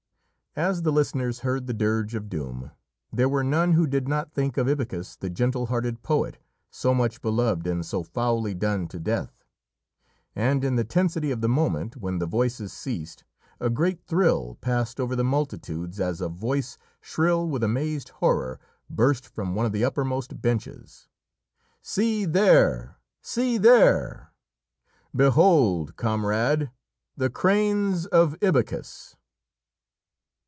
As the listeners heard the dirge of doom, there were none who did not think of Ibycus, the gentle hearted poet, so much beloved and so foully done to death, and in the tensity of the moment when the voices ceased, a great thrill passed over the multitudes as a voice, shrill with amazed horror, burst from one of the uppermost benches: "_See there! see there! behold, comrade, the cranes of Ibycus!